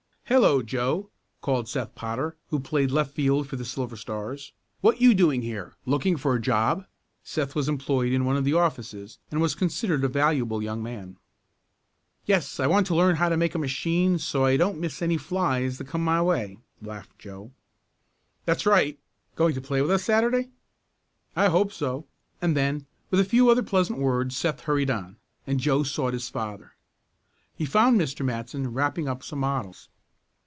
"Hello, Joe!" called Seth Potter, who played left field for the Silver Stars. "What you doing here, looking for a job?" Seth was employed in one of the offices, and was considered a valuable young man. "Yes, I want to learn how to make a machine so I don't miss any flies that come my way," laughed Joe. "That's right! Going to play with us Saturday?" "I hope so," and then, with a few other pleasant words, Seth hurried on, and Joe sought his father. He found Mr. Matson wrapping up some models.